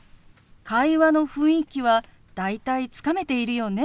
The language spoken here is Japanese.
会話の雰囲気は大体つかめているようね。